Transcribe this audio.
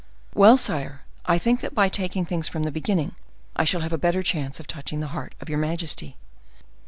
"Well, sire, I think that by taking things from the beginning I shall have a better chance of touching the heart of your majesty."